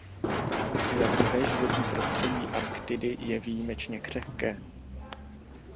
Za druhé, životní prostředí Arktidy je výjimečně křehké.